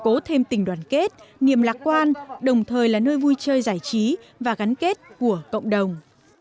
cố thêm tình đoàn kết niềm lạc quan đồng thời là nơi vui chơi giải trí và gắn kết của cộng đồng